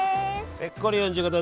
ぺっこり４５度。